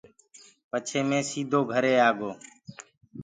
پچهي مي سيٚدو گهري آگو۔